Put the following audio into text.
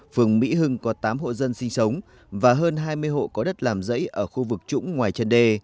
phường mỹ hưng có tám hộ dân sinh sống và hơn hai mươi hộ có đất làm rẫy ở khu vực trũng ngoài chân đê